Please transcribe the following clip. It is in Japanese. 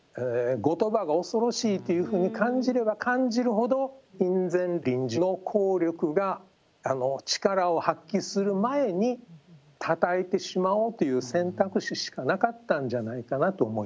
後鳥羽が恐ろしいっていうふうに感じれば感じるほど院宣綸旨の効力が力を発揮する前にたたいてしまおうという選択肢しかなかったんじゃないかなと思います。